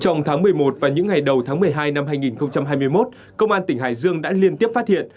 trong tháng một mươi một và những ngày đầu tháng một mươi hai năm hai nghìn hai mươi một công an tỉnh hải dương đã liên tiếp phát hiện